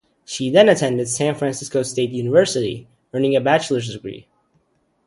She then attended San Francisco State University, earning a bachelor's degree.